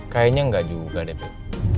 kayaknya enggak juga deh pak